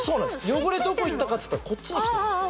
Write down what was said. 汚れどこいったかっつったらこっちに来てます